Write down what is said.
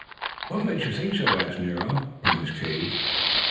"What makes you think so?" asked Nero, from his cage.